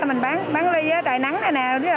mình bán ly trại nắng này nè